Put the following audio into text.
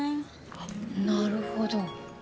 なるほど。